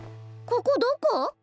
ここどこ？